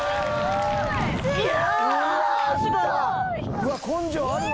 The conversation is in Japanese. うわっ根性あるわ！